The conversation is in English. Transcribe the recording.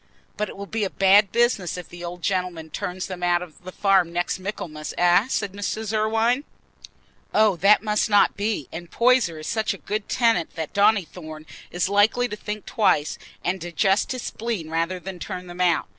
"But it will be a bad business if the old gentleman turns them out of the farm next Michaelmas, eh?" said Mrs. Irwine. "Oh, that must not be; and Poyser is such a good tenant that Donnithorne is likely to think twice, and digest his spleen rather than turn them out.